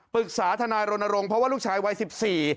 ทนายรณรงค์เพราะว่าลูกชายวัยสิบสี่